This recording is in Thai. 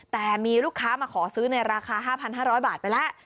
แต่มีลูกค้ามาขอซื้อในราคา๕๕๐๐บาทไปแล้ว